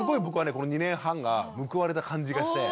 この２年半が報われた感じがして。